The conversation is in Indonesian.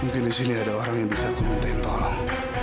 mungkin di sini ada orang yang bisa aku mintain tolong